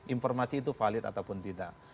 informasi itu valid ataupun tidak